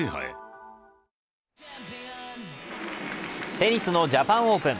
テニスのジャパンオープン。